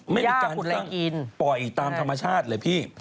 ไม่มีการตั้งปล่อยตามธรรมชาติเลยพี่